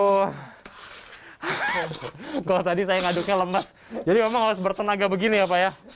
aduh kalau tadi saya ngaduknya lemas jadi memang harus bertenaga begini ya pak ya